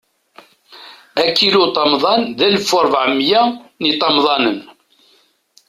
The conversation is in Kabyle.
Akiluṭamḍan, d alef u rebɛa u miyya n yiṭamḍanen.